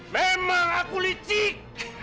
memang aku licik